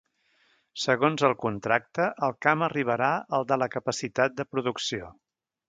Segons el contracte, el camp arribarà al de la capacitat de producció.